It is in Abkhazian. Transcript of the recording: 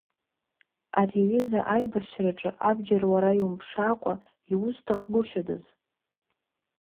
Ари аҩыза аибашьраҿы абџьар уара иумԥшаакәа иузҭахгәышьодаз?!